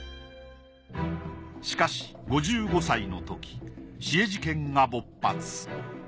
しかし５５歳のとき紫衣事件が勃発。